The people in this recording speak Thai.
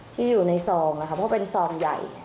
ที่อยู่ในซองนะคะเพราะเป็นซองใหญ่